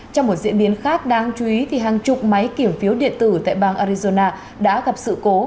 trong một diễn biến khác đáng chú ý hàng chục máy kiểm phiếu điện tử tại bang arizona đã gặp sự cố